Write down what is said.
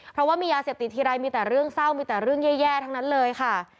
เพราะว่ามียาเสพติดทีไรมีแต่เรื่องเศร้ามีแต่เรื่องแย่ทั้งนั้นเลยค่ะ